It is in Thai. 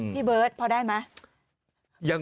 พี่เบิร์ตพอได้ไหม